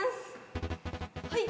はい！